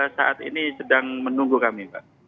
saat ini sedang menunggu kami pak